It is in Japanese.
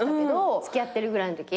付き合ってるぐらいのとき？